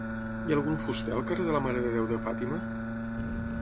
Hi ha algun fuster al carrer de la mare de déu de Fàtima?